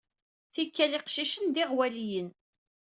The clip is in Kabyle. Tikkal, iqcicen d iɣwaliyen.